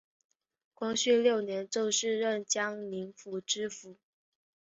光绪六年正式任江宁府知府。